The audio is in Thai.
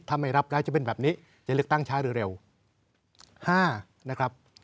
ถ้าไม่รับแล้วจะเป็นแบบนี้จะเลือกตั้งช้าเร็ว๕นะครับ